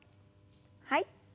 はい。